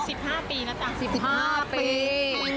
สิบห้าปีนะจ๊ะสิบห้าปี